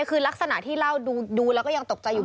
คือลักษณะที่เล่าดูแล้วก็ยังตกใจอยู่